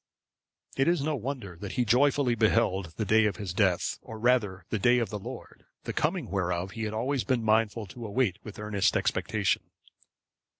It is no wonder that he joyfully beheld the day of his death, or rather the day of the Lord, the coming whereof he had always been mindful to await with earnest expectation.